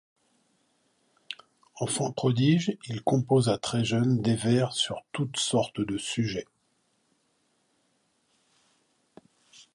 Enfant prodige, il composa très jeune des vers sur toute sorte de sujets.